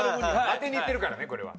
当てにいってるからねこれは。